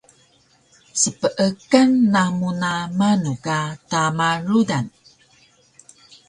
Speekan namu na manu ka tama rudan?